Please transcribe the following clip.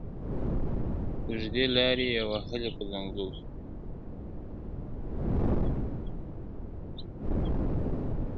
اوږدې لاري یې وهلي په ځنګلو کي !.